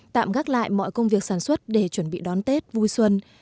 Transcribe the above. tạm gác lại mọi công việc sản xuất để chuẩn bị đón tết vui xuân